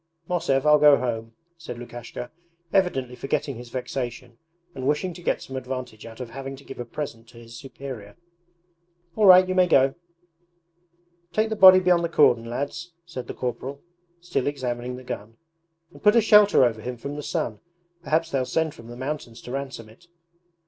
'Mosev, I'll go home,' said Lukashka, evidently forgetting his vexation and wishing to get some advantage out of having to give a present to his superior. 'All right, you may go!' 'Take the body beyond the cordon, lads,' said the corporal, still examining the gun, 'and put a shelter over him from the sun. Perhaps they'll send from the mountains to ransom it.'